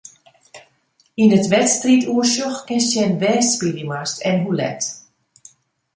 Yn it wedstriidoersjoch kinst sjen wêr'tst spylje moatst en hoe let.